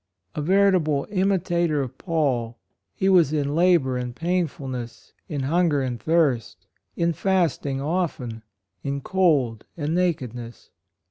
A veritable imi tator of Paul, " He was in labor and painful ness — in hunger and thirst — in fasting often — in cold and nakedness."